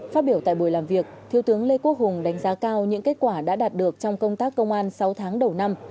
phát biểu tại buổi làm việc thiếu tướng lê quốc hùng đánh giá cao những kết quả đã đạt được trong công tác công an sáu tháng đầu năm